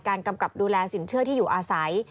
กำกับดูแลสินเชื่อที่อยู่อาศัย